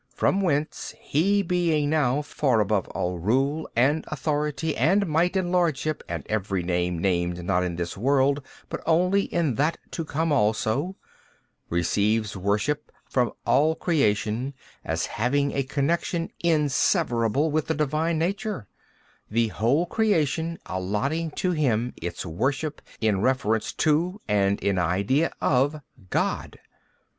From whence he being now far above all rule and authority and might and lordship and every name named not in this world only but in that to come also, receives worship from all creation as having a connection inseverable with the Divine Nature, the whole creation allotting to him its worship in reference to and in idea of God.